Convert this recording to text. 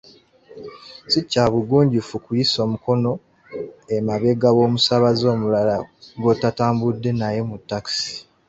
Si kya bugunjufu okuyisa omukono emabega w’omusaabaze omulala gw’otatambudde naye mu takisi.